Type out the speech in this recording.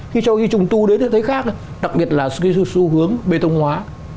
khi trùng tu đến ở cái thế khác đặc biệt là cái xu hướng bê tông hóa